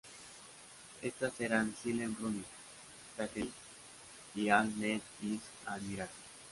Estas eran "Silent Running", "Taken In" y "All I Need Is a Miracle".